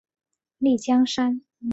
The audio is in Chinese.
丽江杉